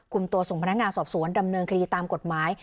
กลุ่มตัวส่งพนักงานสอบสวนดำเนินคดีตามกฎหมาย